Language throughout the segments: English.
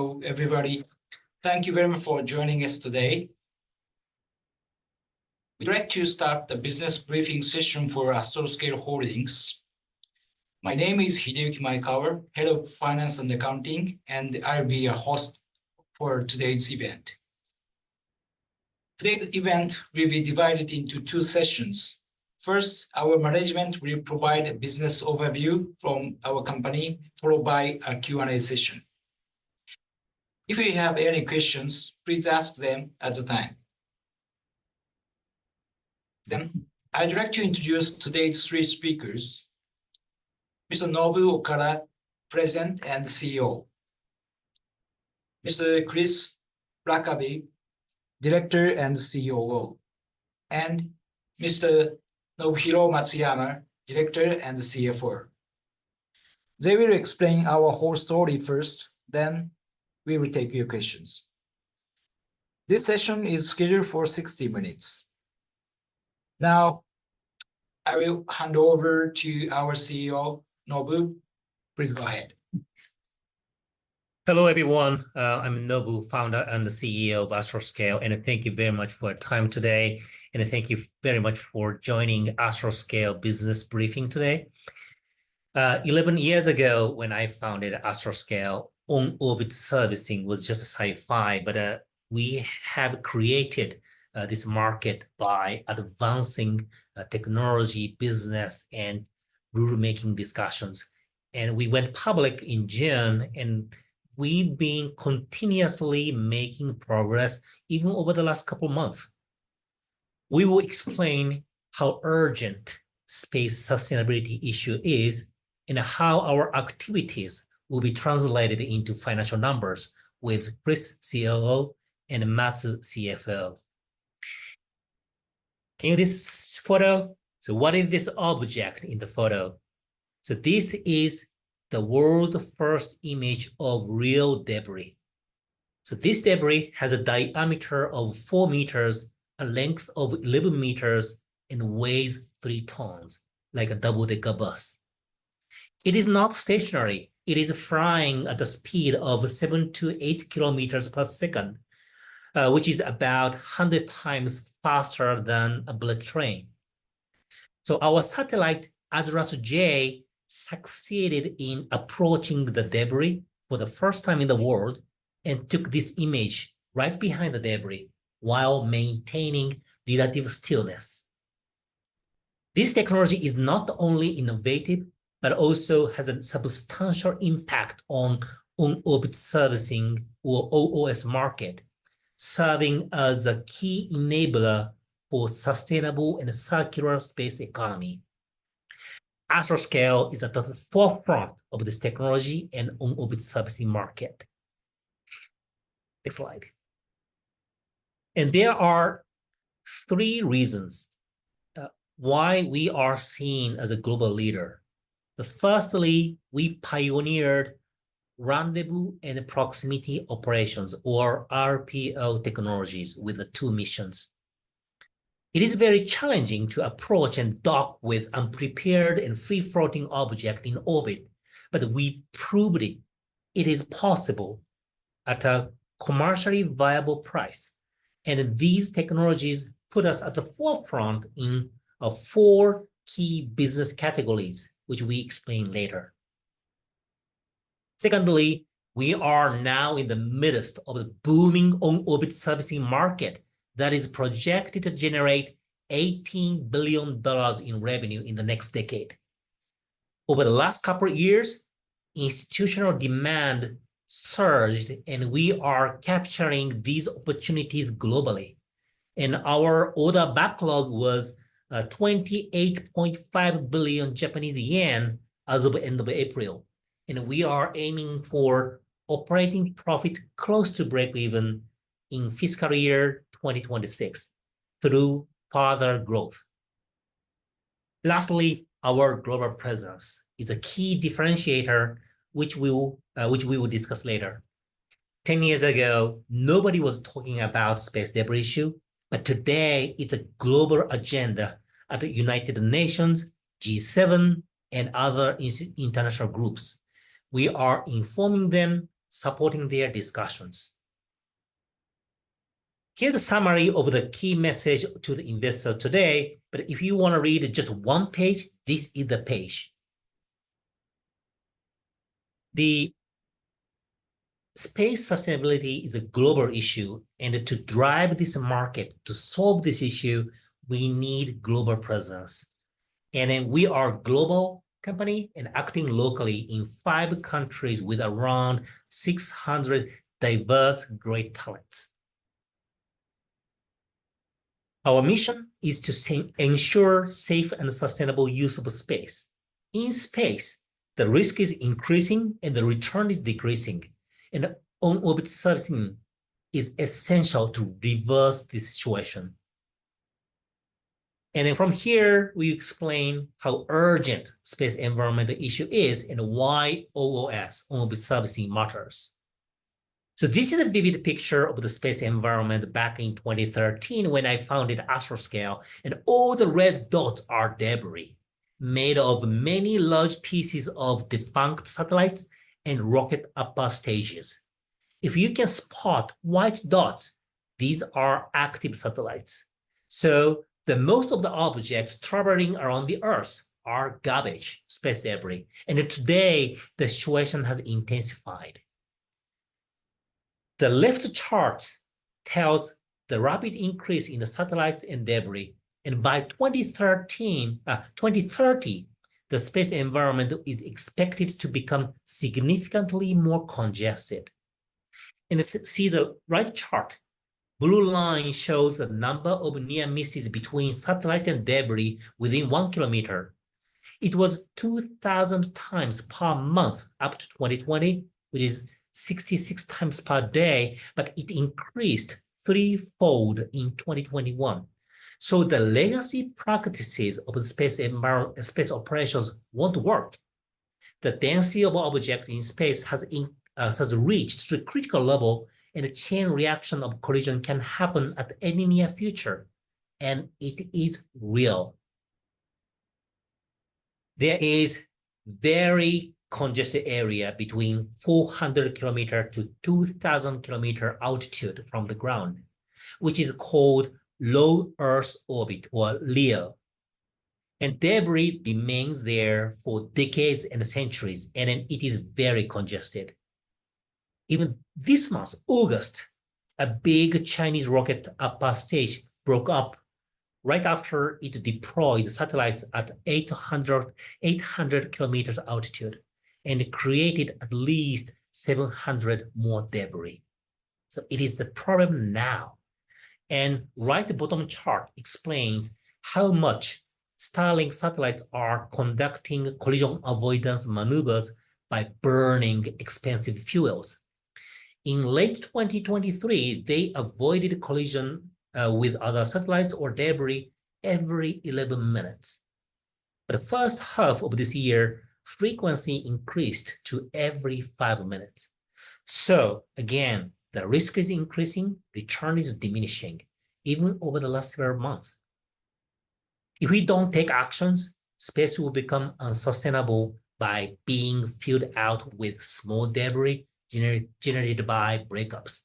Hello, everybody. Thank you very much for joining us today. We'd like to start the business briefing session for Astroscale Holdings. My name is Hideyuki Maekawa, Head of Finance and Accounting, and I'll be your host for today's event. Today's event will be divided into two sessions. First, our management will provide a business overview from our company, followed by a Q&A session. If you have any questions, please ask them at the time. I'd like to introduce today's three speakers, Mr. Nobu Okada, President and CEO, Mr. Chris Blackerby, Director and COO, and Mr. Nobuhiro Matsuyama, Director and CFO. They will explain our whole story first, then we will take your questions. This session is scheduled for 60 minutes. Now, I will hand over to our CEO, Nobu. Please go ahead. Hello, everyone. I'm Nobu, Founder and CEO of Astroscale. Thank you very much for your time today, thank you very much for joining Astroscale business briefing today. 11 years ago, when I founded Astroscale, On-Orbit Servicing was just a sci-fi, we have created this market by advancing technology, business, and rule-making discussions. We went public in June, we've been continuously making progress even over the last couple of months. We will explain how urgent space sustainability issue is and how our activities will be translated into financial numbers with Chris, COO, and Matsu, CFO. Can you see this photo? What is this object in the photo? This is the world's first image of real debris. This debris has a diameter of 4 m, a length of 11 m, and weighs 3 tons, like a double-decker bus. It is not stationary. It is flying at a speed of 7-8 km per second, which is about 100x faster than a bullet train. Our satellite, ADRAS-J, succeeded in approaching the debris for the first time in the world and took this image right behind the debris while maintaining relative stillness. This technology is not only innovative, but also has a substantial impact on On-Orbit Servicing or OOS market, serving as a key enabler for sustainable and circular space economy. Astroscale is at the forefront of this technology and On-Orbit Servicing market. Next slide. There are three reasons why we are seen as a global leader. Firstly, we pioneered rendezvous and proximity operations, or RPO technologies, with the two missions. It is very challenging to approach and dock with unprepared and free-floating object in orbit, but we proved it is possible at a commercially viable price. These technologies put us at the forefront in four key business categories, which we explain later. Secondly, we are now in the midst of a booming On-Orbit Servicing market that is projected to generate $18 billion in revenue in the next decade. Over the last couple of years, institutional demand surged, and we are capturing these opportunities globally. Our order backlog was 28.5 billion Japanese yen as of end of April, and we are aiming for operating profit close to break-even in fiscal year 2026 through further growth. Lastly, our global presence is a key differentiator, which we will discuss later. 10 years ago, nobody was talking about space debris issue, but today it's a global agenda at the United Nations, G7, and other international groups. We are informing them, supporting their discussions. Here's a summary of the key message to the investors today, but if you want to read just one page, this is the page. Space sustainability is a global issue, and to drive this market to solve this issue, we need global presence. We are a global company and acting locally in five countries with around 600 diverse, great talents. Our mission is to ensure safe and sustainable use of space. In space, the risk is increasing, and the return is decreasing, and On-Orbit Servicing is essential to reverse this situation. From here, we explain how urgent space environmental issue is and why OOS, On-Orbit Servicing, matters. This is a vivid picture of the space environment back in 2013 when I founded Astroscale, and all the red dots are debris, made of many large pieces of defunct satellites and rocket upper stages. If you can spot white dots, these are active satellites. Most of the objects traveling around the Earth are garbage, space debris. Today, the situation has intensified. The left chart tells the rapid increase in the satellites and debris. By 2030, the space environment is expected to become significantly more congested. If you see the right chart, blue line shows the number of near misses between satellite and debris within 1 km. It was 2,000 times per month up to 2020, which is 66 times per day, but it increased threefold in 2021. The legacy practices of the space operations won't work. The density of objects in space has reached a critical level, and a chain reaction of collision can happen at any near future, and it is real. There is very congested area between 400 km to 2,000 km altitude from the ground, which is called low Earth orbit or LEO. Debris remains there for decades and centuries, and it is very congested. Even this month, August, a big Chinese rocket upper stage broke up right after it deployed satellites at 800 km altitude and created at least 700 more debris. It is a problem now. Right bottom chart explains how much Starlink satellites are conducting collision avoidance maneuvers by burning expensive fuels. In late 2023, they avoided collision with other satellites or debris every 11 minutes. The first half of this year, frequency increased to every five minutes. Again, the risk is increasing, return is diminishing even over the last several months. If we don't take actions, space will become unsustainable by being filled out with small debris generated by breakups,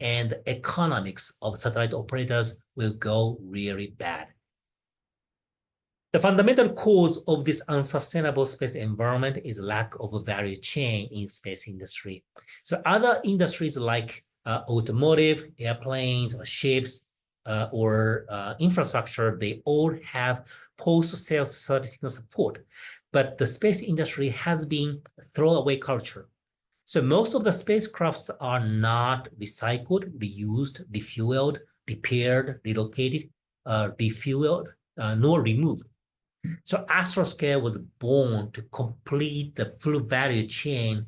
and economics of satellite operators will go really bad. The fundamental cause of this unsustainable space environment is lack of a value chain in space industry. Other industries like automotive, airplanes, or ships, or infrastructure, they all have post-sale service and support. The space industry has been throw-away culture. Most of the spacecrafts are not recycled, reused, refueled, repaired, relocated, refueled, nor removed. Astroscale was born to complete the full value chain,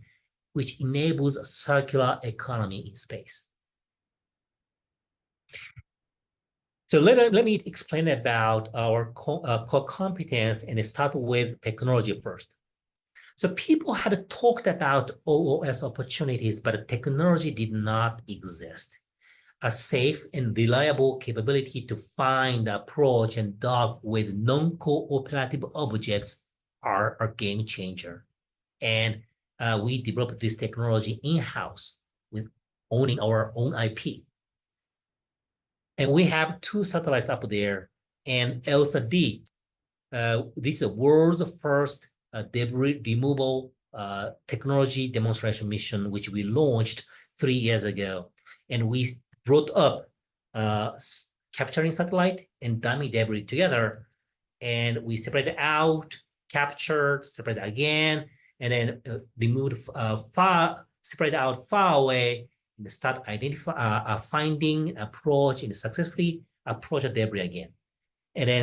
which enables a circular economy in space. Let me explain about our core competence and start with technology first. People have talked about OOS opportunities, but the technology did not exist. A safe and reliable capability to find, approach, and dock with non-cooperative objects are a game changer. We developed this technology in-house with owning our own IP. We have two satellites up there. ELSA-d, this world's first debris removal technology demonstration mission, which we launched three years ago. We brought up capturing satellite and dummy debris together, and we separated out, captured, separated again, and then removed far, spread out far away, and start finding approach and successfully approach the debris again.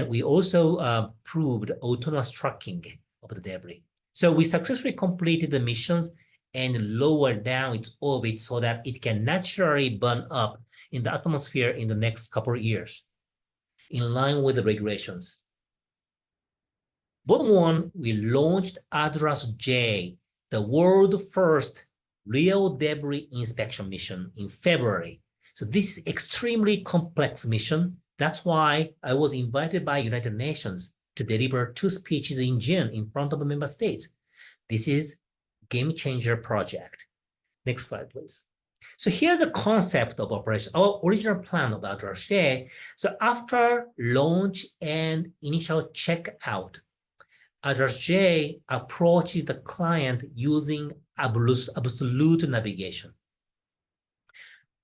We also proved autonomous tracking of the debris. We successfully completed the missions and lowered down its orbit so that it can naturally burn up in the atmosphere in the next couple of years in line with the regulations. Bottom one, we launched ADRAS-J, the world first LEO debris inspection mission in February. This extremely complex mission, that's why I was invited by United Nations to deliver two speeches in June in front of the member states. This is game-changer project. Next slide, please. Here's a concept of operation or original plan of ADRAS-J. After launch and initial checkout, ADRAS-J approaches the client using absolute navigation.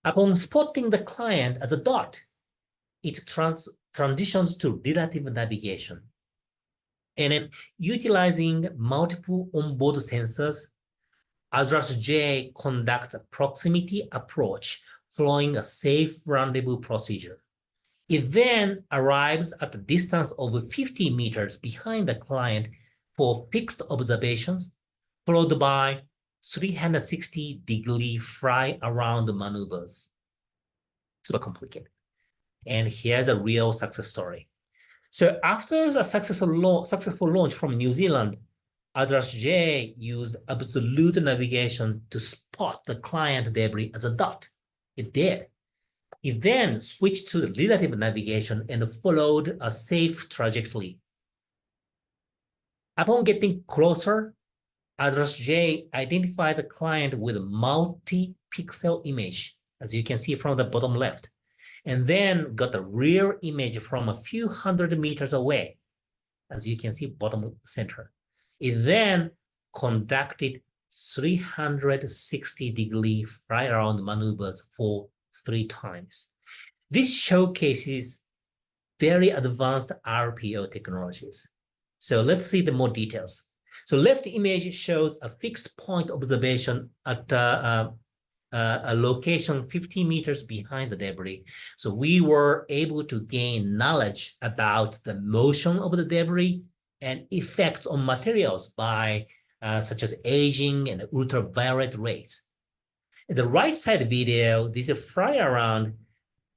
Upon spotting the client as a dot, it transitions to relative navigation. Utilizing multiple onboard sensors, ADRAS-J conducts a proximity approach following a safe rendezvous procedure. It then arrives at a distance of 50 m behind the client for fixed observations, followed by 360-degree fly around the maneuvers. Super complicated. Here's a real success story. After a successful launch from New Zealand, ADRAS-J used absolute navigation to spot the client debris as a dot. It did. It then switched to relative navigation and followed a safe trajectory. Upon getting closer, ADRAS-J identified the client with a multi-pixel image, as you can see from the bottom left, and then got the rear image from a few hundred meters away, as you can see bottom center. It conducted 360-degree fly around maneuvers for three times. This showcases very advanced RPO technologies. Let's see the more details. Left image shows a fixed-point observation at a location 50 m behind the debris. We were able to gain knowledge about the motion of the debris and effects on materials by such as aging and ultraviolet rays. The right side video, this is fly around.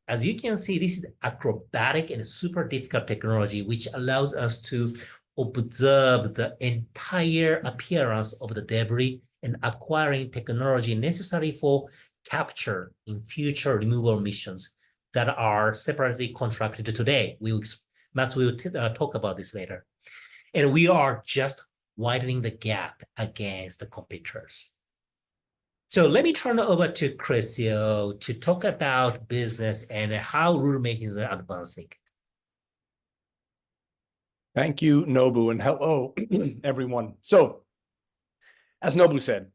As you can see, this is acrobatic and super difficult technology which allows us to observe the entire appearance of the debris and acquiring technology necessary for capture in future removal missions that are separately contracted today. Matsu will talk about this later. We are just widening the gap against the competitors. Let me turn it over to Chris, COO to talk about business and how we're making the advancing. Thank you, Nobu. Hello, everyone. As Nobu said,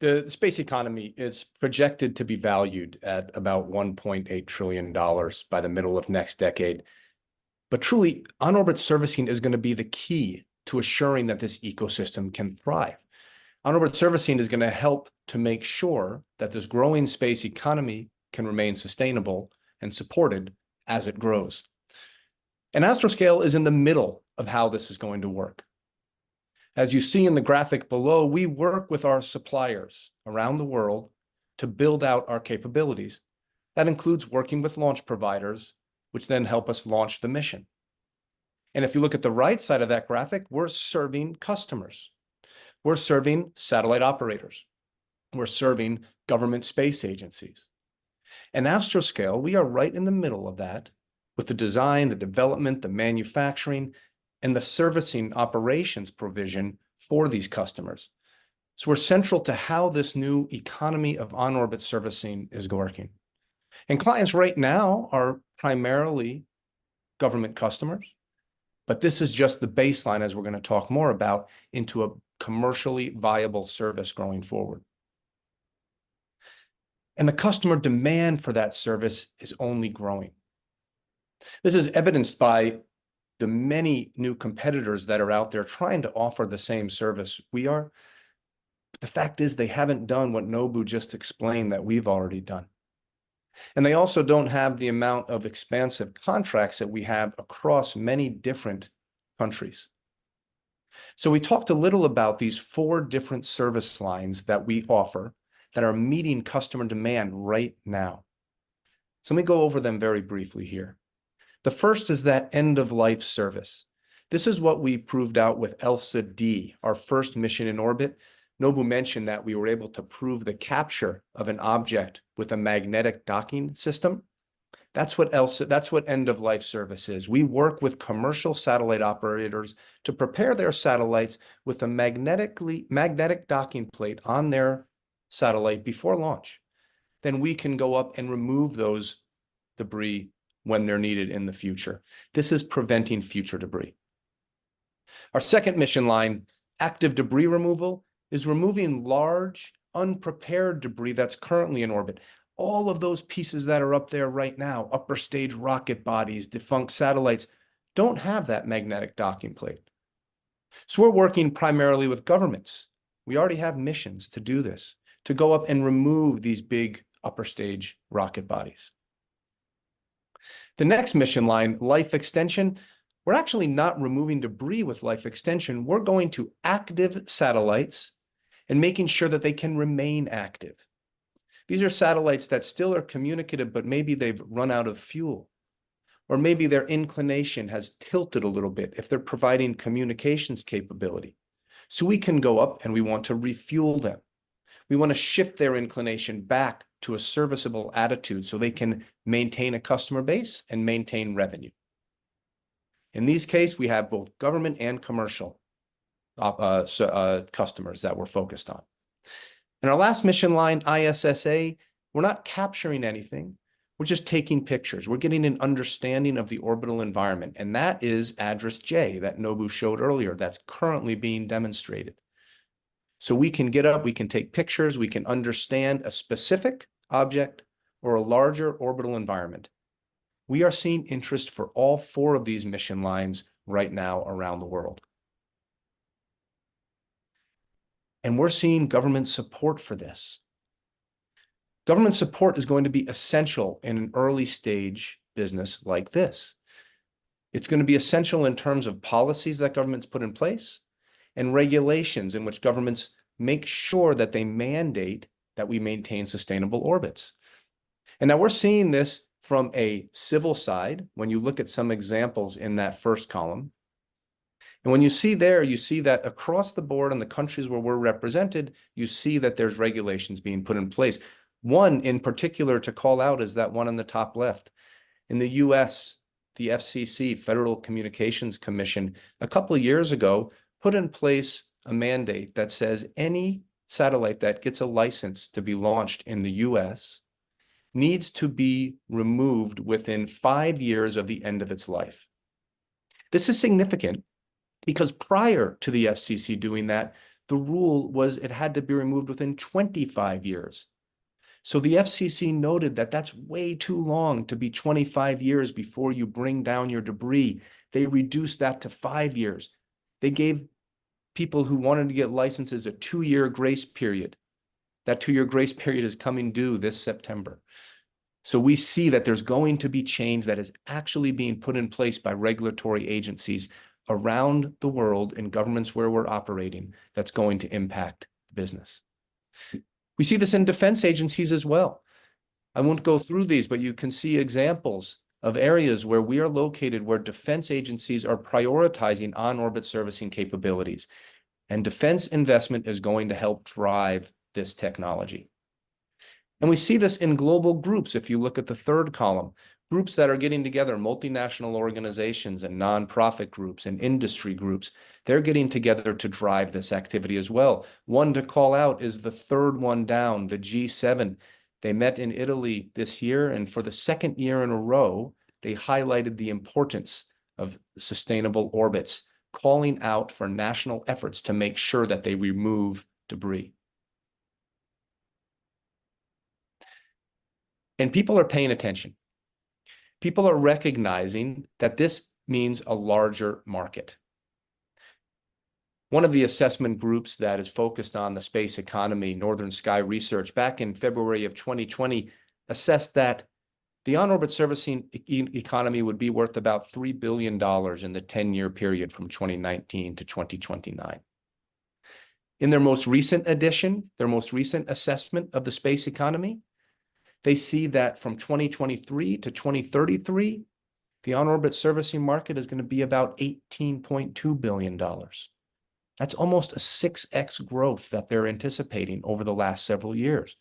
the space economy is projected to be valued at about $1.8 trillion by the middle of next decade. Truly, On-Orbit Servicing is going to be the key to assuring that this ecosystem can thrive. On-Orbit Servicing is going to help to make sure that this growing space economy can remain sustainable and supported as it grows. Astroscale is in the middle of how this is going to work. As you see in the graphic below, we work with our suppliers around the world to build out our capabilities. That includes working with launch providers, which then help us launch the mission. If you look at the right side of that graphic, we're serving customers, we're serving satellite operators, we're serving government space agencies. At Astroscale, we are right in the middle of that with the design, the development, the manufacturing, and the servicing operations provision for these customers. We're central to how this new economy of On-Orbit Servicing is working. Clients right now are primarily government customers, but this is just the baseline, as we're going to talk more about, into a commercially viable service going forward. The customer demand for that service is only growing. This is evidenced by the many new competitors that are out there trying to offer the same service we are. The fact is they haven't done what Nobu just explained that we've already done. They also don't have the amount of expansive contracts that we have across many different countries. We talked a little about these four different service lines that we offer that are meeting customer demand right now. Let me go over them very briefly here. The first is that end-of-life service. This is what we proved out with ELSA-d, our first mission in orbit. Nobu mentioned that we were able to prove the capture of an object with a magnetic docking system. That's what end-of-life service is. We work with commercial satellite operators to prepare their satellites with a magnetic docking plate on their satellite before launch. We can go up and remove those debris when they're needed in the future. This is preventing future debris. Our second mission line, active debris removal, is removing large, unprepared debris that's currently in orbit. All of those pieces that are up there right now, upper stage rocket bodies, defunct satellites, don't have that magnetic docking plate. We're working primarily with governments. We already have missions to do this, to go up and remove these big upper stage rocket bodies. The next mission line, life extension. We're actually not removing debris with life extension. We're going to active satellites and making sure that they can remain active. These are satellites that still are communicative, but maybe they've run out of fuel, or maybe their inclination has tilted a little bit if they're providing communications capability. We can go up and we want to refuel them. We want to shift their inclination back to a serviceable attitude so they can maintain a customer base and maintain revenue. In this case, we have both government and commercial customers that we're focused on. Our last mission line, ISSA, we're not capturing anything, we're just taking pictures. We're getting an understanding of the orbital environment, and that is ADRAS-J that Nobu showed earlier that's currently being demonstrated. We can get up, we can take pictures, we can understand a specific object or a larger orbital environment. We are seeing interest for all four of these mission lines right now around the world. We're seeing government support for this. Government support is going to be essential in an early-stage business like this. It's going to be essential in terms of policies that governments put in place and regulations in which governments make sure that they mandate that we maintain sustainable orbits. Now we're seeing this from a civil side when you look at some examples in that first column. When you see there, you see that across the board in the countries where we're represented, you see that there's regulations being put in place. One in particular to call out is that one in the top left. In the U.S., the FCC, Federal Communications Commission, a couple of years ago put in place a mandate that says any satellite that gets a license to be launched in the U.S. needs to be removed within five years of the end of its life. This is significant because prior to the FCC doing that, the rule was it had to be removed within 25 years. The FCC noted that that's way too long to be 25 years before you bring down your debris. They reduced that to five years. They gave people who wanted to get licenses a two-year grace period. That two-year grace period is coming due this September. We see that there's going to be change that is actually being put in place by regulatory agencies around the world in governments where we're operating that's going to impact business. We see this in defense agencies as well. I won't go through these, but you can see examples of areas where we are located, where defense agencies are prioritizing On-Orbit Servicing capabilities, and defense investment is going to help drive this technology. We see this in global groups, if you look at the third column. Groups that are getting together, multinational organizations and non-profit groups and industry groups, they're getting together to drive this activity as well. One to call out is the third one down, the G7. They met in Italy this year, and for the second year in a row, they highlighted the importance of sustainable orbits, calling out for national efforts to make sure that they remove debris. People are paying attention. People are recognizing that this means a larger market. One of the assessment groups that is focused on the space economy, Northern Sky Research, back in February of 2020, assessed that the On-Orbit Servicing economy would be worth about $3 billion in the 10-year period from 2019 to 2029. In their most recent addition, their most recent assessment of the space economy, they see that from 2023 to 2033, the On-Orbit Servicing market is going to be about $18.2 billion. That's almost a 6x growth that they're anticipating over the last several years.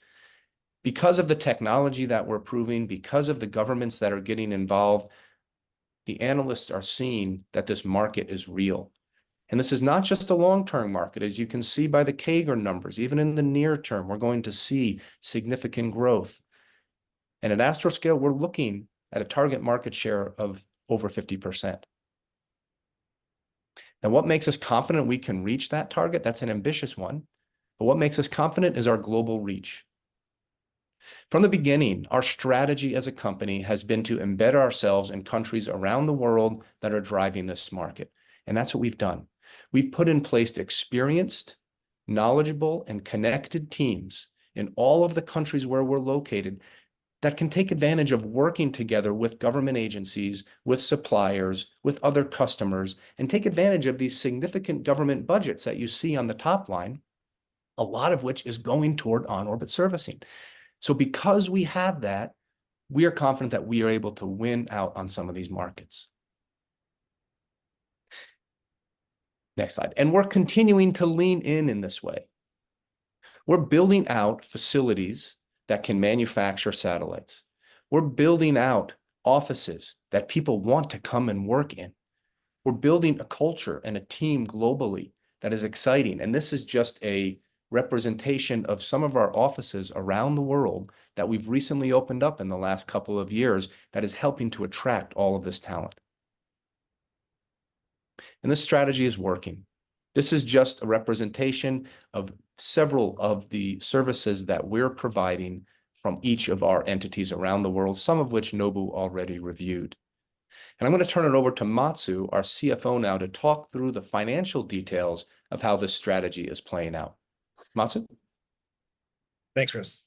Because of the technology that we're proving, because of the governments that are getting involved, the analysts are seeing that this market is real. This is not just a long-term market. As you can see by the CAGR numbers, even in the near term, we're going to see significant growth. At Astroscale, we're looking at a target market share of over 50%. Now, what makes us confident we can reach that target? That's an ambitious one. What makes us confident is our global reach. From the beginning, our strategy as a company has been to embed ourselves in countries around the world that are driving this market, and that's what we've done. We've put in place experienced, knowledgeable, and connected teams in all of the countries where we're located that can take advantage of working together with government agencies, with suppliers, with other customers, and take advantage of these significant government budgets that you see on the top line, a lot of which is going toward On-Orbit Servicing. Because we have that, we are confident that we are able to win out on some of these markets. Next slide. We're continuing to lean in in this way. We're building out facilities that can manufacture satellites. We're building out offices that people want to come and work in. We're building a culture and a team globally that is exciting, and this is just a representation of some of our offices around the world that we've recently opened up in the last couple of years that is helping to attract all of this talent. This strategy is working. This is just a representation of several of the services that we're providing from each of our entities around the world, some of which Nobu already reviewed. I'm going to turn it over to Matsu, our CFO now, to talk through the financial details of how this strategy is playing out. Matsu? Thanks, Chris.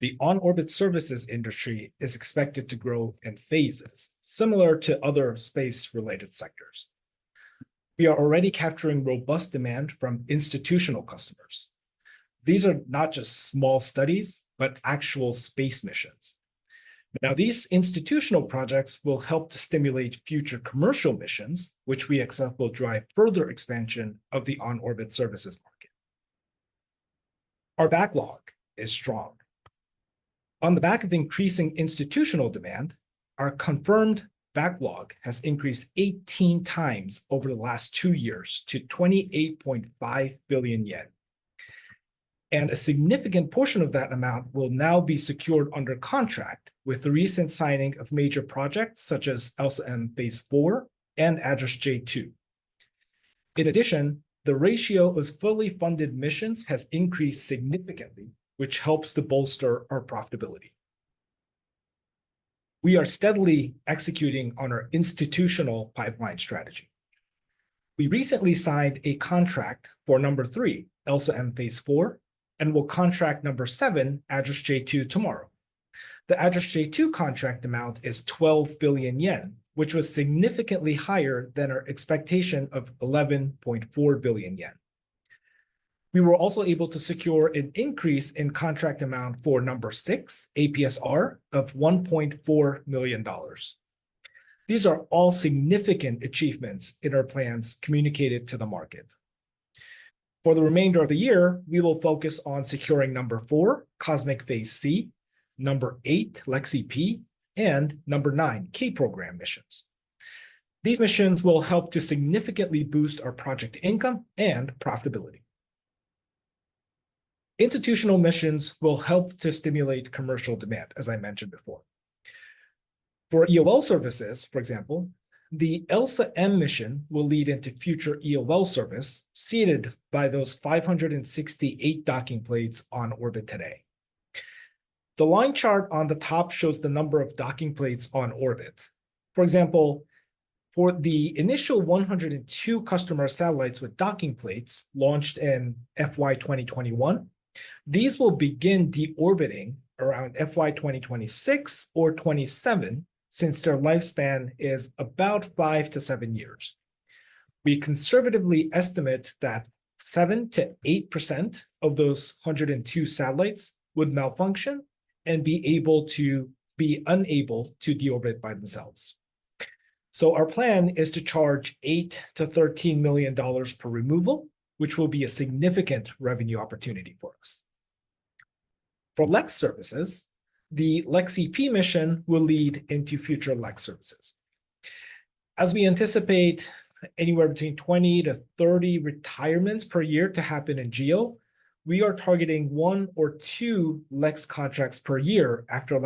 The On-Orbit Servicing industry is expected to grow in phases, similar to other space-related sectors. We are already capturing robust demand from institutional customers. These are not just small studies, but actual space missions. These institutional projects will help to stimulate future commercial missions, which we expect will drive further expansion of the On-Orbit Servicing market. Our backlog is strong. On the back of increasing institutional demand, our confirmed backlog has increased 18x over the last two years to 28.5 billion yen. A significant portion of that amount will now be secured under contract with the recent signing of major projects such as ELSA-M Phase 4 and ADRAS-J2. In addition, the ratio of fully funded missions has increased significantly, which helps to bolster our profitability. We are steadily executing on our institutional pipeline strategy. We recently signed a contract for number three, ELSA-M Phase 4. Will contract number seven, ADRAS-J2, tomorrow. The ADRAS-J2 contract amount is 12 billion yen, which was significantly higher than our expectation of 11.4 billion yen. We were also able to secure an increase in contract amount for number six, APS-R, of $1.4 million. These are all significant achievements in our plans communicated to the market. For the remainder of the year, we will focus on securing number four, COSMIC Phase C, number eight, LEXI-P, and number nine, K-Program missions. These missions will help to significantly boost our project income and profitability. Institutional missions will help to stimulate commercial demand, as I mentioned before. For EOL services, for example, the ELSA-M mission will lead into future EOL service seeded by those 568 docking plates on orbit today. The line chart on the top shows the number of docking plates on orbit. For example, for the initial 102 customer satellites with docking plates launched in FY 2021, these will begin de-orbiting around FY 2026 or FY 2027, since their lifespan is about five to seven years. We conservatively estimate that 7%-8% of those 102 satellites would malfunction and be unable to de-orbit by themselves. Our plan is to charge $8 million-$13 million per removal, which will be a significant revenue opportunity for us. For LEX services, the LEXI-P mission will lead into future LEX services. As we anticipate anywhere between 20 to 30 retirements per year to happen in GEO, we are targeting one or two LEX contracts per year after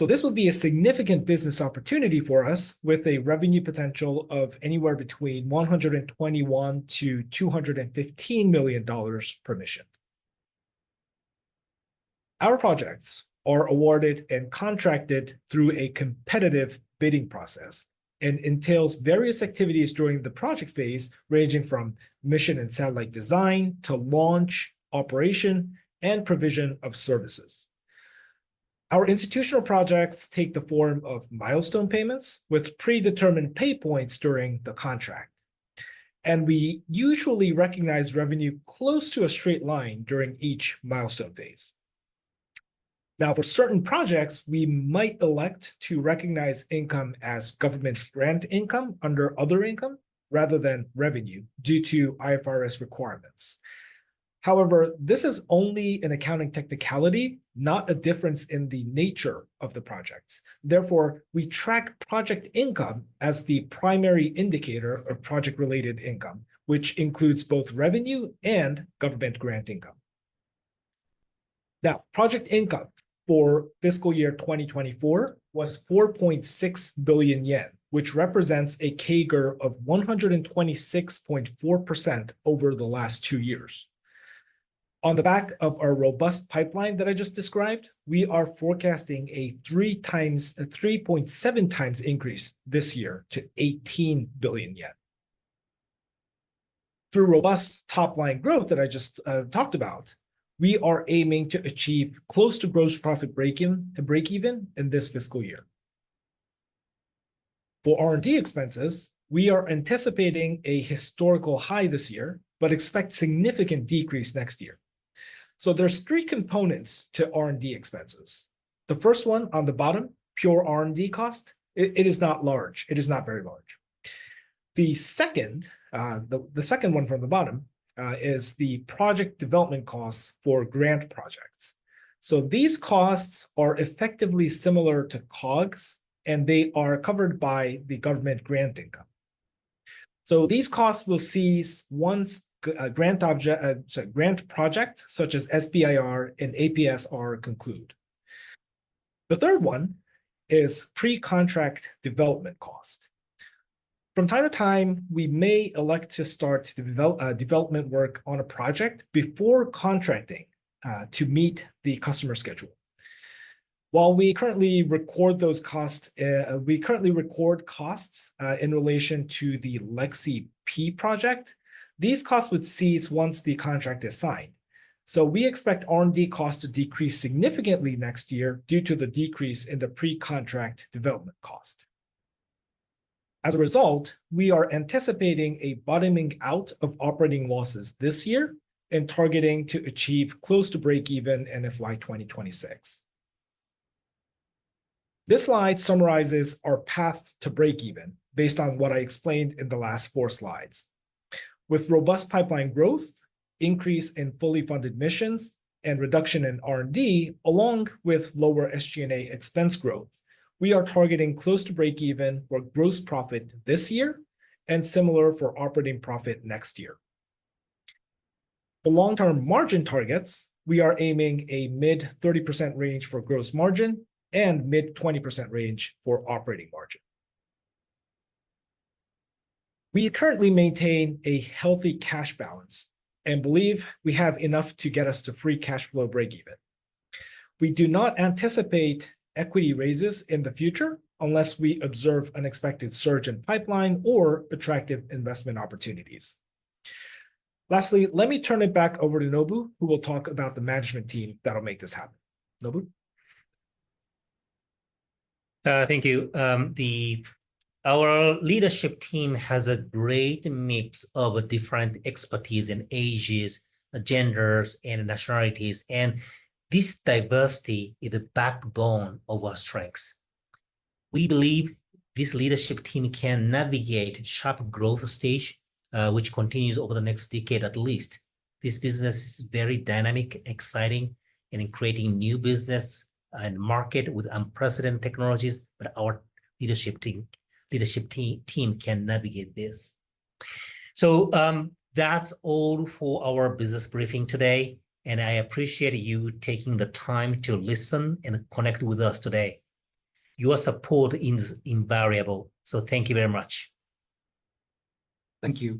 LEXI-P. This will be a significant business opportunity for us with a revenue potential of anywhere between $121 million-$215 million per mission. Our projects are awarded and contracted through a competitive bidding process and entails various activities during the project phase, ranging from mission and satellite design to launch, operation, and provision of services. Our institutional projects take the form of milestone payments with predetermined pay points during the contract, and we usually recognize revenue close to a straight line during each milestone phase. For certain projects, we might elect to recognize income as government grant income under other income rather than revenue due to IFRS requirements. However, this is only an accounting technicality, not a difference in the nature of the projects. Therefore, we track project income as the primary indicator of project-related income, which includes both revenue and government grant income. Now, project income for FY 2024 was 4.6 billion yen, which represents a CAGR of 126.4% over the last two years. On the back of our robust pipeline that I just described, we are forecasting a 3.7x increase this year to 18 billion yen. Through robust top-line growth that I just talked about, we are aiming to achieve close to gross profit break-even in this fiscal year. For R&D expenses, we are anticipating a historical high this year, but expect significant decrease next year. There's three components to R&D expenses. The first one on the bottom, pure R&D cost. It is not large. It is not very large. The second one from the bottom is the project development costs for grant projects. These costs are effectively similar to COGS, and they are covered by the government grant income. These costs will cease once a grant project such as SBIR and APS-R conclude. The third one is pre-contract development cost. From time to time, we may elect to start development work on a project before contracting to meet the customer schedule. While we currently record costs in relation to the LEXI-P project, these costs would cease once the contract is signed. We expect R&D costs to decrease significantly next year due to the decrease in the pre-contract development cost. As a result, we are anticipating a bottoming out of operating losses this year and targeting to achieve close to break-even in FY 2026. This slide summarizes our path to break even based on what I explained in the last four slides. With robust pipeline growth, increase in fully funded missions, and reduction in R&D, along with lower SG&A expense growth, we are targeting close to break-even for gross profit this year and similar for operating profit next year. For long-term margin targets, we are aiming a mid-30% range for gross margin and mid-20% range for operating margin. We currently maintain a healthy cash balance and believe we have enough to get us to free cash flow break-even. We do not anticipate equity raises in the future unless we observe unexpected surge in pipeline or attractive investment opportunities. Lastly, let me turn it back over to Nobu, who will talk about the management team that'll make this happen. Nobu? Thank you. Our leadership team has a great mix of different expertise in ages, genders, and nationalities, and this diversity is the backbone of our strengths. We believe this leadership team can navigate sharp growth stage, which continues over the next decade at least. This business is very dynamic, exciting, and in creating new business and market with unprecedented technologies, but our leadership team can navigate this. That's all for our business briefing today, and I appreciate you taking the time to listen and connect with us today. Your support is invariable, so thank you very much. Thank you.